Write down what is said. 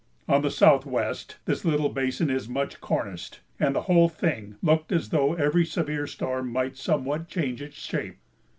On the southwest this little basin is much corniced, and the whole thing looked as though every severe storm might somewhat change its shape.